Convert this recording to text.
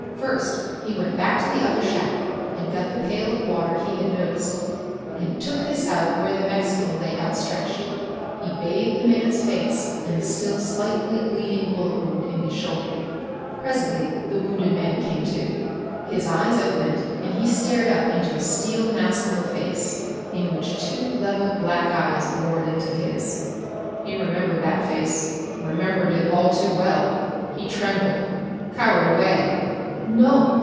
First he went back to the other shack and got the pail of water he had noticed, and took this out where the Mexican lay outstretched. He bathed the man's face and the still slightly bleeding bullet wound in his shoulder. Presently the wounded man came to. His eyes opened, and he stared up into a steel mask of a face, in which two level black eyes bored into his. He remembered that face remembered it all too well. He trembled, cowered away. "No!"